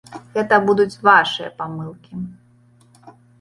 Гэта будуць вашыя памылкі.